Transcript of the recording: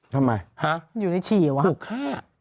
ทำไมอยู่ในนี้ชี่หรือวะฮะถูกฆ่า